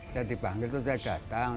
saya dipanggil terus saya datang